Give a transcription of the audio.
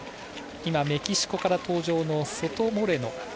メキシコから登場のソトモレノ。